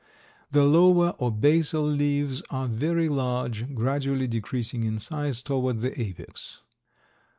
The lower or basal leaves are very large, gradually decreasing in size toward the apex.